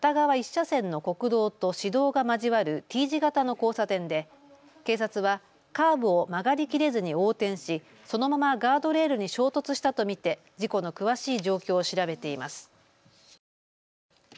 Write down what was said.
１車線の国道と市道が交わるＴ字型の交差点で警察はカーブを曲がりきれずに横転し、そのままガードレールに衝突したと見て事故の詳しい状況を調べています。